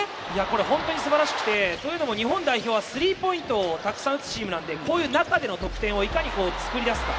本当に素晴らしてというのは日本代表はスリーポイントをたくさん打つチームなのでこういう中での得点をいかに作り出すか。